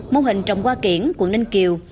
mô hình trồng hoa kiển quận ninh kiều